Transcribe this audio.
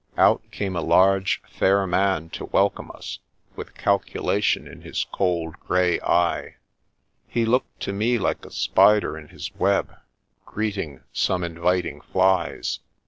Out came a large, fair man to welcome us, with calculation in his cold grey eye. He looked to me like a spider in his web, greeting some inviting flies.